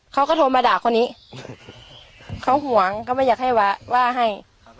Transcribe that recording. เขาก็โทรมาด่าคนนี้เขาห่วงเขาไม่อยากให้ว่าให้